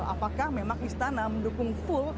apakah memang istana mendukung full